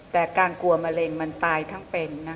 แต่การกลัวมะเร็งมันตายทั้งเป็น